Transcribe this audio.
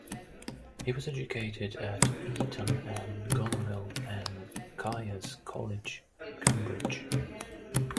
He was educated at Eton and Gonville and Caius College, Cambridge.